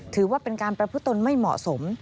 ถือว่าเป็นการประพฤตนไม่เหมาะสม